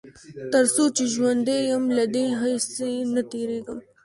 تر څو چې ژوندی يم له دې هڅې نه تېرېږم.